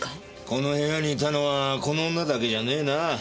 この部屋にいたのはこの女だけじゃねえな。